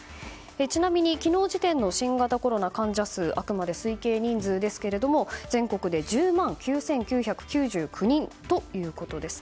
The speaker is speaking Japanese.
ちなみに昨日時点の新型コロナ患者数はあくまで推計人数ですが全国で１０万９９９９人ということです。